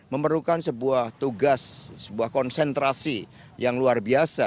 memerlukan sebuah tugas sebuah konsentrasi yang luar biasa